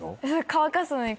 乾かすのに。